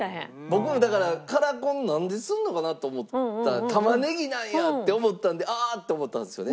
僕もだからカラコンなんでするのかなと思ったら玉ねぎなんやって思ったんでああー！って思ったんですよね。